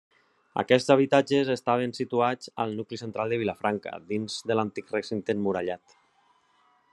Aquests habitatges estaven situats al nucli central de Vilafranca, dins de l'antic recinte emmurallat.